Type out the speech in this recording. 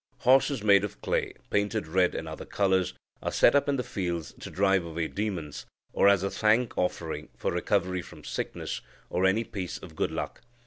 Horses made of clay, painted red and other colours, are set up in the fields to drive away demons, or as a thank offering for recovery from sickness, or any piece of good luck.